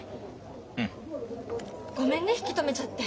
ごめんね引き止めちゃって。